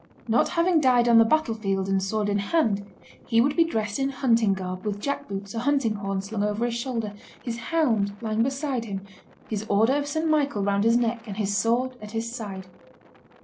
Not having died on the battle field and sword in hand, he would be dressed in hunting garb, with jack boots, a hunting horn, slung over his shoulder, his hound lying beside him, his order of St. Michael round his neck, and his sword at his side.